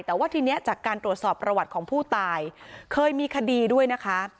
แต่ว่าทีนี้จากการตรวจสอบประวัติของผู้ตายเคยมีคดีด้วยนะคะ